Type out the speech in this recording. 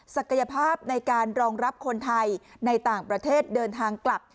ศักยภาพในการรองรับคนไทยในต่างประเทศเดินทางกลับ